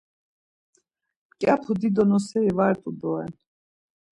Mǩyapu dido noseri var t̆u doren.